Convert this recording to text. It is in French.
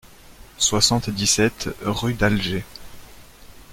soixante-dix-sept rue d'Alger